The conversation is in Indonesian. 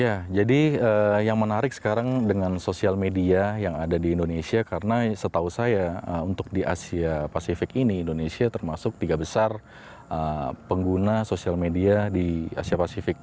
ya jadi yang menarik sekarang dengan sosial media yang ada di indonesia karena setahu saya untuk di asia pasifik ini indonesia termasuk tiga besar pengguna sosial media di asia pasifik